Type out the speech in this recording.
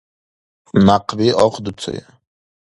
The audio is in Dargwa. Някъби ахъдуцая!